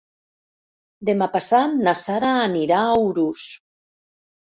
Demà passat na Sara anirà a Urús.